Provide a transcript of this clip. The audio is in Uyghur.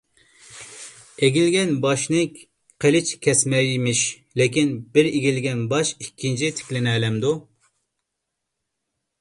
ئېگىلگەن باشنى قىلىچ كەسمەيمىش. لېكىن، بىر ئېگىلگەن باش ئىككىنچى تىكلىنەلەمدۇ؟